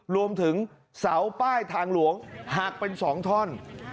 รวมถึงเสาป้ายทางหลวงหักเป็น๒ท่อน